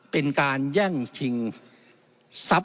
เป็นการแย่งชิงทรัพย์